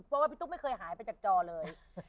เพราะว่าพี่ตุ๊กไม่เคยหายไปจากจอเลย